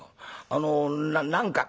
あの何か」。